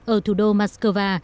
ở thủ đô moscow